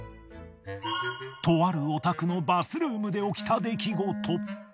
とあるお宅のバスルームで起きた出来事。